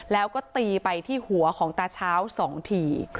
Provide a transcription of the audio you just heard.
แล้วก็ตีไปที่หัวของตาเช้า๒ที